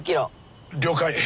了解。